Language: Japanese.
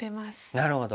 なるほど。